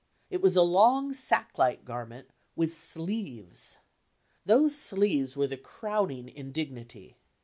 It was a long, sack like garment, T/'vAi sleeves. Those sleeves were the crowning indignity.